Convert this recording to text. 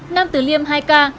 nam tử liêm hai ca